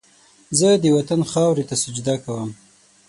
زه د وطن خاورې ته سجده کوم